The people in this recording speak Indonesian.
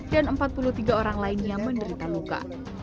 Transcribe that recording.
dan tiga orang menderita luka